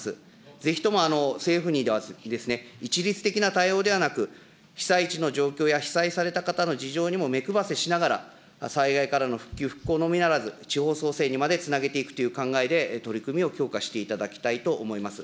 ぜひとも、政府には一律的な対応ではなく、被災地の状況や被災された方の事情にも目くばせしながら、災害からの復旧・復興のみならず、地方創生にまでつなげていくという考えで、取り組みを強化していただきたいと思います。